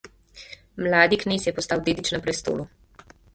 Mladi knez je postal dedič na prestolu.